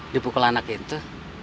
dipukul anak itu